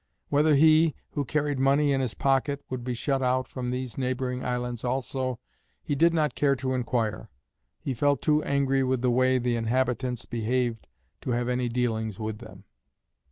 Whether he, who carried money in his pocket, would be shut out from these neighbouring islands also, he did not care to inquire. He felt too angry with the way the inhabitants behaved to have any dealings with them.